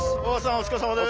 お疲れさまです。